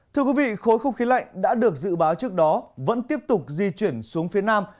thưa quý vị khối không khí lạnh đã được dự báo trước đó vẫn tiếp tục di chuyển xuống phía nam